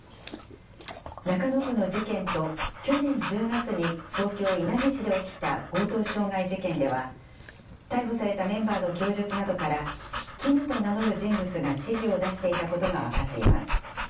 中野区の事件と、去年１０月に東京・稲城市で起きた強盗傷害事件では、逮捕されたメンバーの供述などから、キムと名乗る人物が指示を出していたことが分かっています。